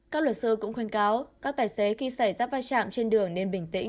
các luật sư cũng khuyên cáo các tài xế khi xảy ra vai trạm trên đường nên bình tĩnh